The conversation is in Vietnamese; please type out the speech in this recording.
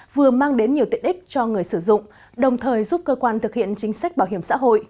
vừa mang đến nhiều tiện ích cho người sử dụng đồng thời giúp cơ quan thực hiện chính sách bảo hiểm xã hội